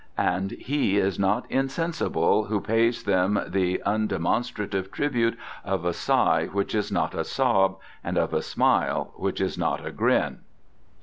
And he is not insensible who pays them the undemonstrative tribute of a sigh which is not a sob, and of a smile which is not a grin."